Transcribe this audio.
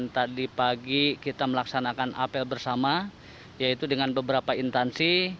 tadi pagi kita melaksanakan apel bersama yaitu dengan beberapa intansi